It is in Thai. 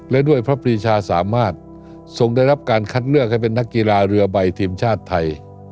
และด้วยพระปรีชาสามารถทรงได้รับการคัดเลือกให้เป็นนักกีฬาเรือใบทีมชาติไทย